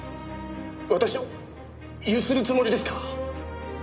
私を強請るつもりですか？